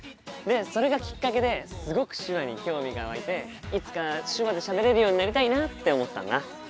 それがきっかけですごく手話に興味が湧いていつか手話でしゃべれるようになりたいなって思ったんだ。